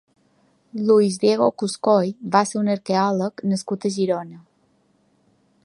Luis Diego Cuscoy va ser un arqueòleg nascut a Girona.